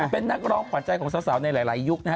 เป็นนักร้องขวานใจของสาวในหลายยุคนะฮะ